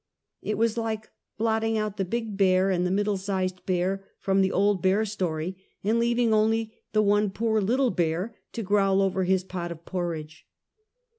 It was like blotting out the big bear and the middle sized bear from the old bear story, and leaving only the one poor little bear to growl over his pot of por ridge.